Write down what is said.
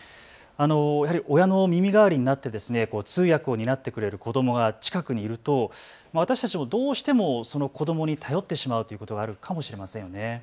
やはり親の耳代わりになって通訳を担ってくれる子どもが近くにいると私たちもどうしてもその子どもに頼ってしまうということがあるかもしれませんね。